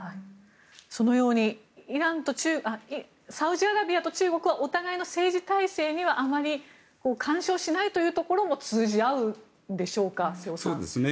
そのようにサウジアラビアと中国はお互いの政治体制にはあまり干渉しないというところも通じ合うんでしょうか。